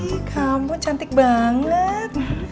ih kamu cantik banget